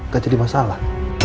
gak jadi masalah